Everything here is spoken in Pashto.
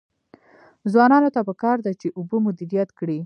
ځوانانو ته پکار ده چې، اوبه مدیریت کړي.